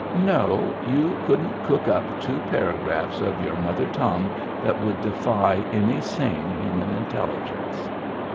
" No. You couldn't cook up two paragraphs of your mother tongue that would defy any sane human intelligence."